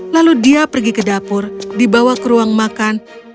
lalu dia pergi ke dapur dibawa ke ruang makan